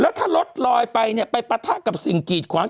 และถ้ารถรอยไปไปปะผ้ากับสิ่งกีดควั้ง